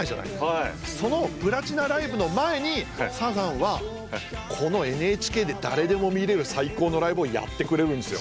そのプラチナライブの前にサザンはこのＮＨＫで誰でも見れる最高のライブをやってくれるんですよ。